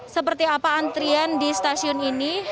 seperti apa antrian di stasiun ini